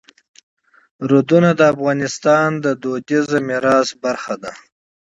دریابونه د افغانستان د کلتوري میراث برخه ده.